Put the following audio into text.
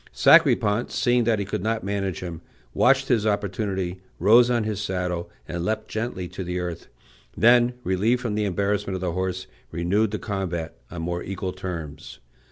Sacripant, seeing that he could not manage him, watched his opportunity, rose on his saddle, and leapt lightly to the earth; then, relieved from the embarrassment of the horse, renewed the combat on more equal terms.